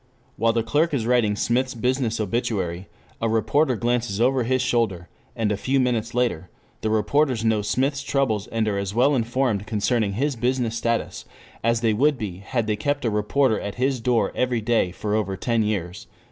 While the clerk is writing Smith's business obituary a reporter glances over his shoulder and a few minutes later the reporters know Smith's troubles and are as well informed concerning his business status as they would be had they kept a reporter at his door every day for over ten years.